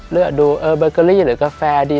เลือกดูเออเบอร์เกอรี่หรือกาแฟดี